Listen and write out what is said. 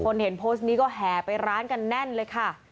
เห็นโพสต์นี้ก็แห่ไปร้านกันแน่นเลยค่ะ